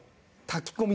炊き込み？